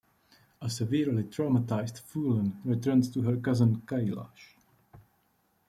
A severely traumatised Phoolan returns to her cousin Kailash.